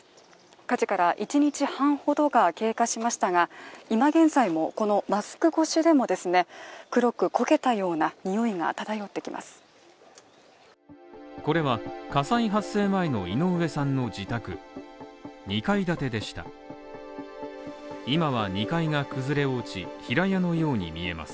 火事から１日半ほどが経過しましたが、今現在もこのマスク越しでもですね、黒く焦げたような匂いが漂ってきます。